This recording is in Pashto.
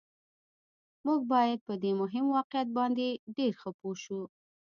موږ باید په دې مهم واقعیت باندې ډېر ښه پوه شو